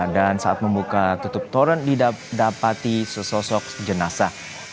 dan saat membuka tutup torren didapati sesosok jenasa